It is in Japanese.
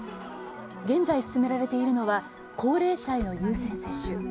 現在、進められているのは高齢者への優先接種。